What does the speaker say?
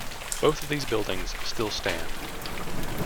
Both of these buildings still stand.